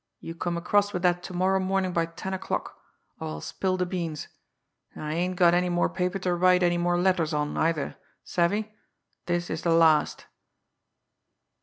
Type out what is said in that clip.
You come across with that to morrow morning by ten o'clock or I'll spill the beans. And I ain't got any more paper to write any more letters on either savvy? This is the last.